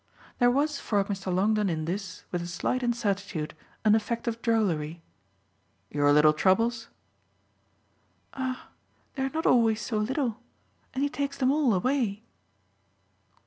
There was for Mr. Longdon in this, with a slight incertitude, an effect of drollery. "Your little troubles?" "Ah they're not always so little! And he takes them all away."